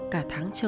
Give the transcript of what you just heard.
cả tháng trước